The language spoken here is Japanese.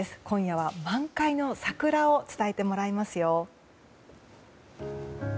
今夜は満開の桜を伝えてもらいますよ。